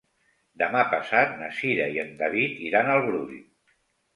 Demà passat na Cira i en David iran al Brull.